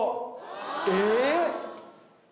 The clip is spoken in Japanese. えっ！？